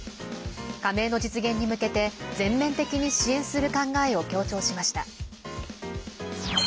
加盟の実現に向けて全面的に支援する考えを強調しました。